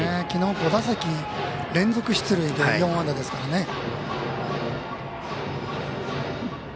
きのう５打席連続出塁で４安打ですからね。